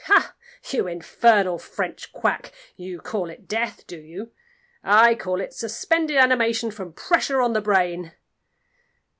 Ha! you infernal French Quack, you call it death, do you? I call it suspended animation from pressure on the brain!"